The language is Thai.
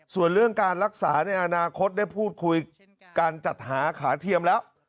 ส่วนเรื่องการรักษาในอนาคตได้พูดคุยการจัดหาขาเทียมแล้ว